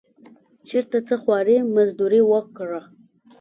چېرته څه خواري مزدوري وکړه.